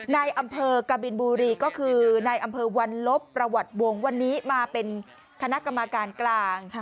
ในอำเภอกบินบุรีก็คือในอำเภอวันลบประวัติวงศ์วันนี้มาเป็นคณะกรรมการกลาง